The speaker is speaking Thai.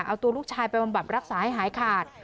เอาตัวลูกชายไปบำบัดรักษาให้หายขาด